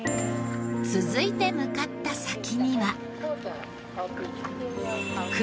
続いて向かった先には。